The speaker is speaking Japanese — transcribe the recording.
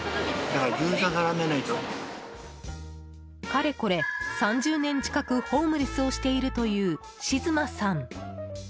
かれこれ３０年近くホームレスをしているというしずまさん。